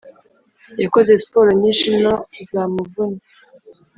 yakoze sport nyinshi no zamuvunnye